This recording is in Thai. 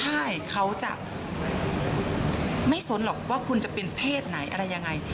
ใช่เขาจะไม่สนหรอกว่าคุณจะเป็นเพศไหนอะไรยังไง